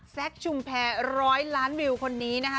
ชุมแพรร้อยล้านวิวคนนี้นะคะ